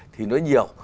thì nó nhiều